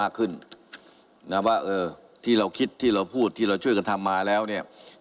ขึ้นนะว่าเออที่เราคิดที่เราพูดที่เราช่วยกันทำมาแล้วเนี่ย